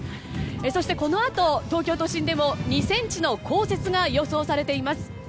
そしてこのあと、東京都心でも２ｃｍの降雪が予想されています。